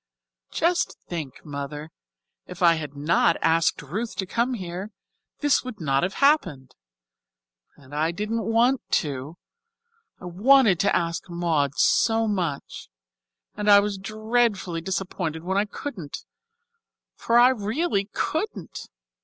"Just think, Mother, if I had not asked Ruth to come here, this would not have happened. And I didn't want to, I wanted to ask Maud so much, and I was dreadfully disappointed when I couldn't for I really couldn't.